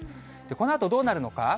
このあとどうなるのか。